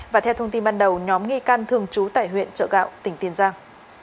và theo thông tin ban đầu nhóm nghi can thường trú tại huyện chợ gạo tỉnh tiền giang